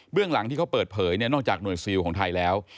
เรื่องหลังที่เขาเปิดเผยนอกจากหน่วยซิลของไทยแล้ว